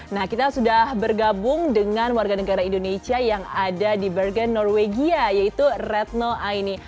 nah kita sudah bergabung dengan warga negara indonesia yang ada di bergen norwegia yaitu retno aini